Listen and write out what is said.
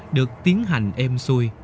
được tiến hành êm xuôi